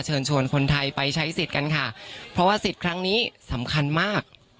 เชิญชวนคนไทยไปใช้สิทธิ์กันค่ะเพราะว่าสิทธิ์ครั้งนี้สำคัญมาก